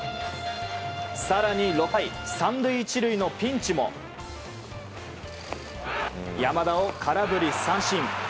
更に６回、３塁１塁のピンチも山田を空振り三振。